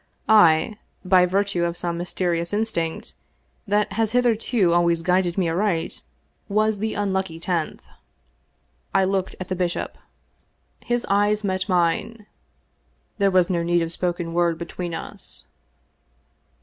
I, by virtue of some mysterious instinct that has hitherto always guided me aright, was the unlucky tenth. I looked at the bishop. His 275 English Mystery Stories «yes met mine. There was no need of spoken word be tween us.